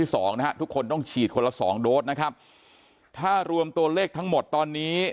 สองนะฮะทุกคนต้องฉีดคนละสองโดสนะครับถ้ารวมตัวเลขทั้งหมดตอนนี้